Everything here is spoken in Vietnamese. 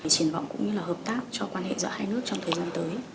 triển vọng cũng như là hợp tác cho quan hệ giữa hai nước trong thời gian tới